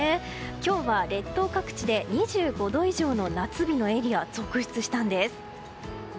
今日は列島各地で２５度以上の夏日のエリアが続出したんです。